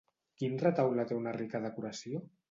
Quin retaule té una rica decoració?